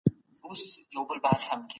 خصوصي سکتور هیواد ځان بسیاینې ته رسوي.